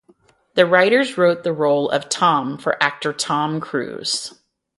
The writers wrote the role of Tom for actor Tom Cruise.